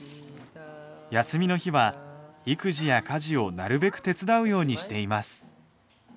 休みの日は育児や家事をなるべく手伝うようにしています。